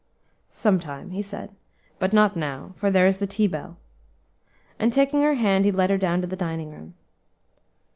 "Some time," he said, "but not now, for there is the tea bell;" and taking her hand, he led her down to the dining room.